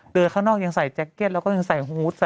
โดยข้างนอกยังใส่แจ็คเก็ตแล้วก็ยังใส่ฮูต